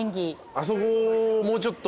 「あそこもうちょっと」